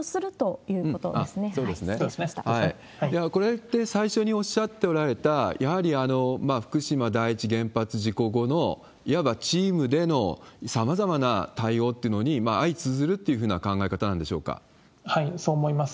これって、最初におっしゃっておられた、やはり福島第一原発事故後の、いわばチームでのさまざまな対応というものに相通ずるっていうふそう思います。